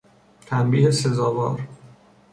تنبیه سزاوار